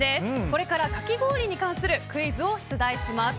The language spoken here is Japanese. これから、かき氷に関するクイズを出題します。